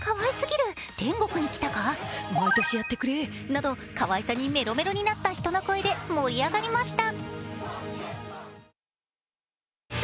ＳＮＳでは、かわいさにメロメロになった人の声で盛り上がりました。